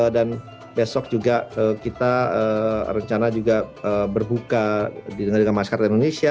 dan besok juga kita rencana juga berbuka dengan masyarakat indonesia